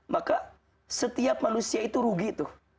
maka setiap manusia itu rugi tuh